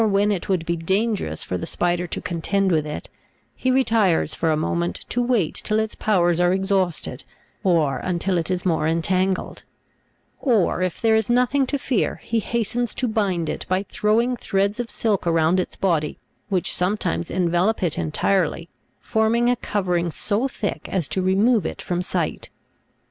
when it would be dangerous for the spider to contend with it, he retires for a moment to wait till its powers are exhausted, or until it is more entangled ; or if there is nothing to fear, he hastens to bind it by throwing threads of silk around its body, which sometimes envelope it entirely, forming a cover ing so thick as to remove it from sight.